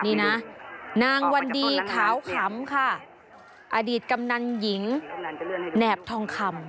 นี่นะนางวันดีขาวขำค่ะอดีตกำนันหญิงแหนบทองคำ